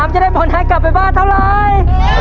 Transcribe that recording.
จะได้ผลักกลับไปบ้านเท่าไร